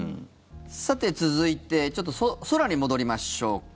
さて、続いてちょっと空に戻りましょうか。